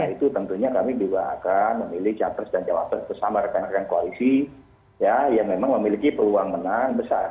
karena itu tentunya kami juga akan memilih capres dan cawapres bersama rekan rekan koalisi ya yang memang memiliki peluang menang besar